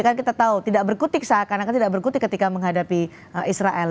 kan kita tahu tidak berkutik seakan akan tidak berkutik ketika menghadapi israel